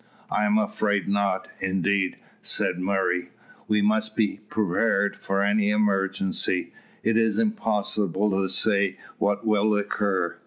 "I am afraid not, indeed," said Murray; "we must be prepared for any emergency. It is impossible to say what will occur."